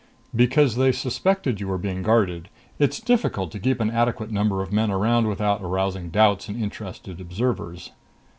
"Because they suspected you were being guarded. It's difficult to keep an adequate number of men around without arousing doubts in interested observers."